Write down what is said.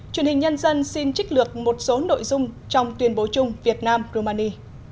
truyền hình nhân dân xin trích lược một số nội dung trong tuyên bố chung việt nam romani